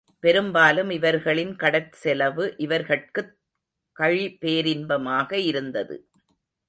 பெரும்பாலும் இவர்களின் கடற்செலவு இவர்கட்குக் கழி பேரின்பமாக இருந்தது.